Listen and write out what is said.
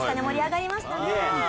盛り上がりましたね。